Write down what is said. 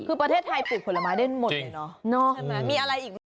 ถ้าไทยปลูกผลไม้ได้หมดเนี่ยเนาะ